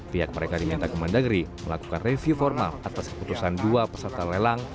pihak mereka diminta kemendagri melakukan review formal atas keputusan dua peserta lelang